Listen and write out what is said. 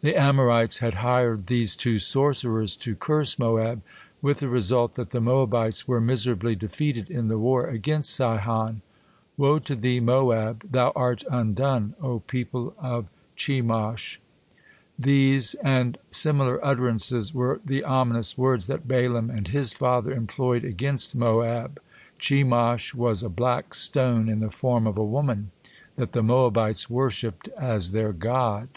The Amorites had hired these two sorcerers to curse Moab, with the result that the Moabites were miserably defeated in the war against Sihon. "Woe to thee, Moab! Thou art undone, O people of Chemosh!" These and similar utterances were the ominous words that Balaam and his father employed against Moab. Chemosh was a black stone in the form of a woman, that the Moabites worshipped as their god.